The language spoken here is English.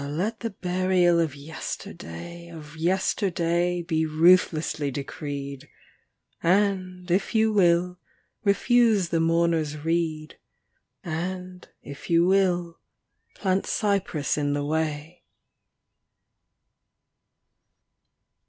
let the burial of yesterday, Of yesterday be ruthlessly decreed, And, if you will, refuse the mournerŌĆÖs reed, And, if you will, plant cypress in the way.